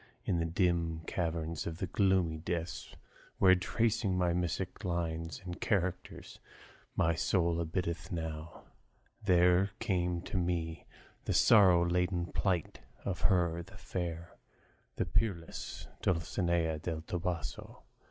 In the dim caverns of the gloomy Dis, Where, tracing mystic lines and characters, My soul abideth now, there came to me The sorrow laden plaint of her, the fair, The peerless Dulcinea del Toboso.